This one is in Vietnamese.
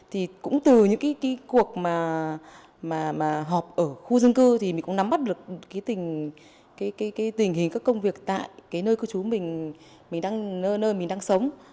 thì cũng từ những cái cuộc mà họp ở khu dân cư thì mình cũng nắm bắt được cái tình hình các công việc tại cái nơi cư trú mình đang nơi mình đang sống